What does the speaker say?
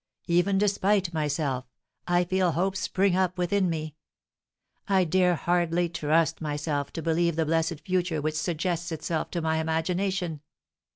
Even despite myself, I feel hope spring up within me. I dare hardly trust myself to believe the blessed future which suggests itself to my imagination."